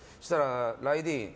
「ライディーン」。